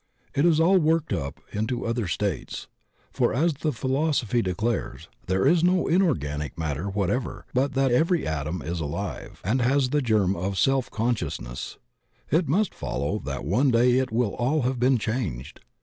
It is all worked up into other states, for as the philosophy declares there is no inorganic mat ter whatever but that every atom is alive and has the germ of self consciousness, it must follow that one day it will all have been changed.